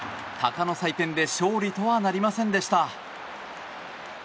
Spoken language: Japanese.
鷹の祭典で勝利とはなりませんでした。